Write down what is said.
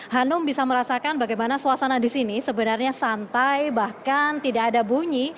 hanum bisa merasakan bagaimana suasana di sini sebenarnya santai bahkan tidak ada bunyi